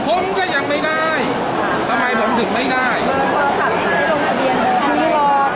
ผมก็ยังไม่ได้ทำไมผมถึงไม่ได้โทรศัพท์ที่จะได้ลงทะเบียน